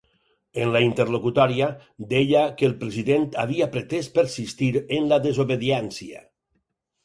En la interlocutòria, deia que el president havia ‘pretès persistir en la desobediència’.